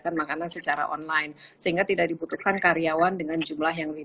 mendapatkan makanan secara online sehingga tidak dibutuhkan karyawan dengan jumlah yang lebih